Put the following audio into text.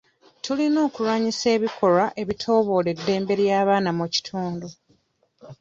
Tulina okulwanyisa ebikolwa ebityoboola eddembe ly'abaana mu kitundu.